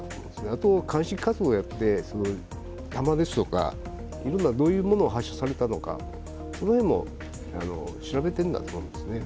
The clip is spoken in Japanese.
あと鑑識活動をやって、弾ですとか、どういうものを発射されたのか、その辺も調べているんだと思うんですね。